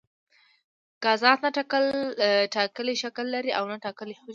ګازات نه ټاکلی شکل لري او نه ټاکلی حجم.